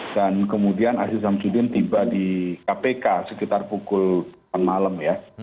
dan kemudian aziz syamsuddin tiba di kpk sekitar pukul empat malam ya